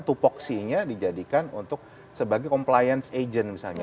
tupoksinya dijadikan untuk sebagai compliance agent misalnya